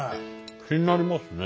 気になりますね